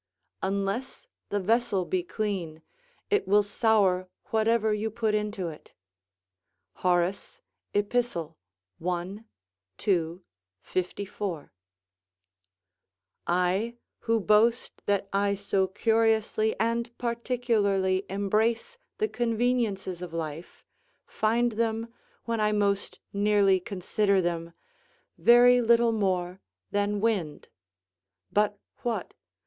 ["Unless the vessel be clean, it will sour whatever you put into it." Horace, Ep., i. 2, 54.] I, who boast that I so curiously and particularly embrace the conveniences of life, find them, when I most nearly consider them, very little more than wind. But what?